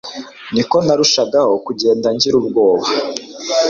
niko narushagaho kugenda ngirubwoba